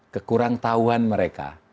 kekurang tahuan mereka